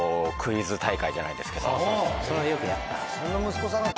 それはよくやった。